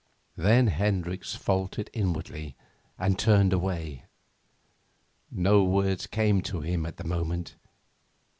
Then Hendricks faltered inwardly and turned away. No words came to him at the moment.